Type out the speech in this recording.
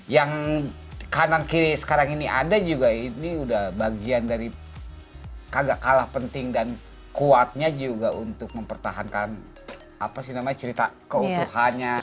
yang kanan kiri sekarang ini ada juga ini udah bagian dari kagak kalah penting dan kuatnya juga untuk mempertahankan apa sih namanya cerita keutuhannya